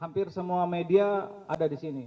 hampir semua media ada di sini